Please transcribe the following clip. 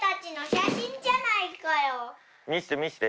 見せて見せて。